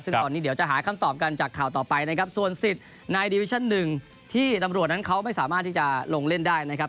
ซึ่งตอนนี้เดี๋ยวจะหาคำตอบกันจากข่าวต่อไปนะครับส่วนสิทธิ์ในดิวิชั่นหนึ่งที่ตำรวจนั้นเขาไม่สามารถที่จะลงเล่นได้นะครับ